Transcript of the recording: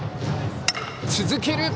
続ける！